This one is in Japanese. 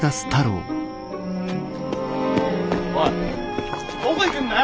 おいどこ行くんだよ！